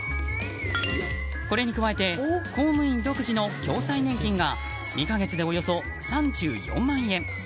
これに加えて公務員独自の共済年金が２か月で、およそ３４万円。